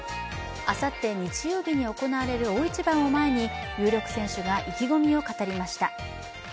あさって日曜日に行われる大一番を前に有力選手が意気込みを語りました。